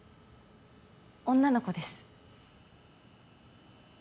女の子です。